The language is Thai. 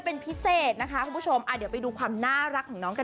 เป็นพิเศษนะคะคุณผู้ชมอ่าเดี๋ยวไปดูความน่ารักของน้องกัน